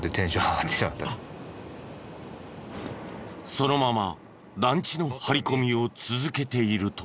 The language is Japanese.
そのまま団地の張り込みを続けていると。